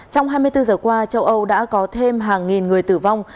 trong hai mươi bốn giờ qua châu âu đã có thêm hàng nghìn người tử vong